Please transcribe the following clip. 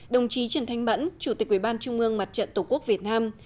đồng chí trần thanh bẫn chủ tịch ubnd mặt trận tổ quốc việt nam